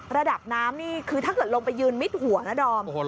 ระดับน้ำนี่คือถ้าเกิดลงไปยืนมิดหัวนะดอม